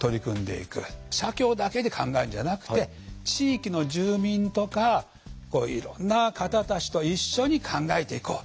社協だけで考えるんじゃなくて地域の住民とかいろんな方たちと一緒に考えていこう。